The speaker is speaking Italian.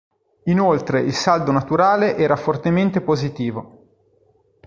Inoltre il saldo naturale era fortemente positivo.